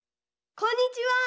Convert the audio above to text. こんにちは！